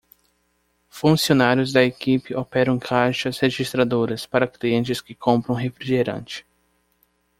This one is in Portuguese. Funcionários da equipe operam caixas registradoras para clientes que compram refrigerante.